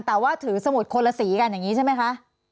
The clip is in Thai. แต่ว่าถือสมุดคนละสีกันอย่างนี้ใช่ไหมคะ